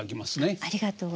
ありがとうございます。